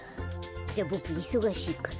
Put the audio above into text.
じゃあボクいそがしいから。